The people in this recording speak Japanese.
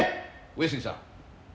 上杉さん。